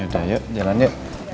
yaudah yuk jalan yuk